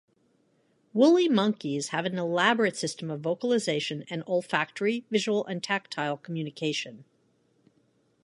Woolly monkeys have an elaborate system of vocalization and olfactory, visual, and tactile communication.